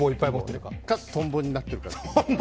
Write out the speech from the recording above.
か、トンボになってるか。